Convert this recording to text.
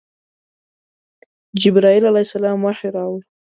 جبرائیل علیه السلام وحی راوړ.